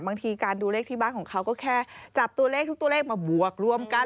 บางทีการดูเลขที่บ้านของเขาก็แค่จับตัวเลขทุกตัวเลขมาบวกรวมกัน